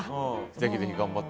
ぜひぜひ頑張って。